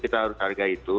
kita harus hargai itu